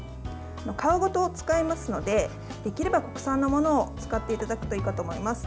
皮ごと使いますのでできれば国産のものを使っていただくといいかと思います。